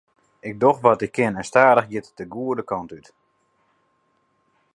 Ik doch wat ik kin en stadich giet it de goede kant út.